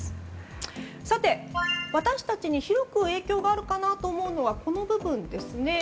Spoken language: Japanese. さて、私たちに広く影響があるかなと思うのはこの部分ですね。